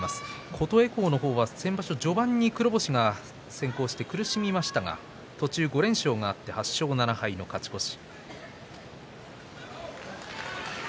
琴恵光は先場所、序盤に黒星が先行して苦しみましたが途中５連勝があって８勝７敗の勝ち越し。